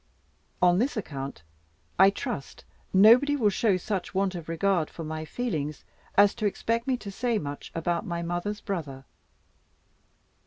On this account, I trust, nobody will show such want of regard for my feelings as to expect me to say much about my mother's brother.